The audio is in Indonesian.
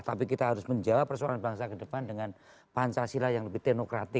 tapi kita harus menjawab persoalan bangsa ke depan dengan pancasila yang lebih teknokratik